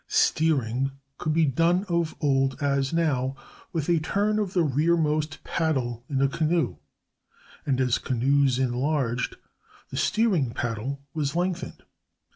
Steering could be done of old, as now, with a turn of the rearmost paddle in a canoe, and as canoes enlarged, the steering paddle was lengthened.